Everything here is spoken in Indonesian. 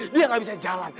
dia gak bisa jalan